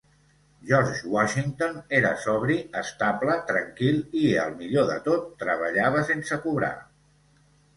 George Washington era sobri, estable, tranquil i, el millor de tot, treballava sense cobrar.